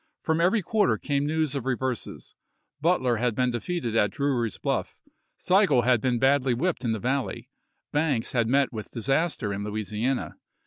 From every quarter came news of reverses : Butler had been defeated at Drewry's Bluff; Sigel had been badly whipped in the valley ; Banks had met with disaster in Louisiana.